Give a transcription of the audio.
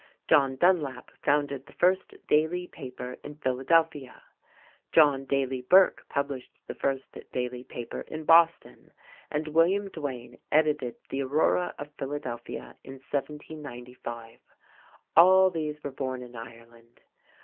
John Dunlap founded the first daily paper in Philadelphia, John Daly Burk published the first daily paper in Boston, and William Duane edited the Aurora of Philadelphia in 1795. All these were born in Ireland.